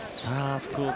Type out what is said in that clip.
福岡